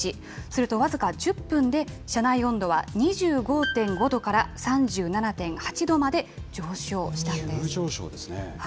すると、僅か１０分で車内温度は２５．５度から３７．８度まで上昇したん急上昇ですね。